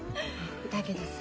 だけどさ